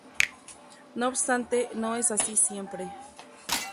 No obstante, no es así siempre.